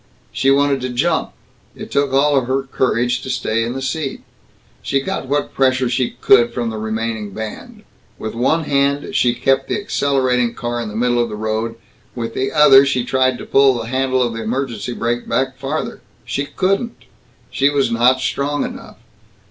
She wanted to jump. It took all her courage to stay in the seat. She got what pressure she could from the remaining band. With one hand she kept the accelerating car in the middle of the road; with the other she tried to pull the handle of the emergency brake back farther. She couldn't. She was not strong enough.